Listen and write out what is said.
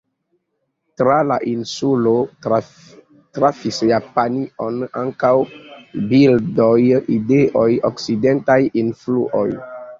Tra la insulo trafis Japanion ankaŭ bildoj, ideoj, okcidentaj influoj.